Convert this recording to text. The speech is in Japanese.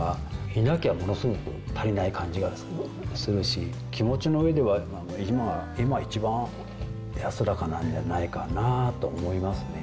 いなきゃものすごく足りない感じがするし、気持ちの上では、今が一番安らかなんじゃないかなと思いますね。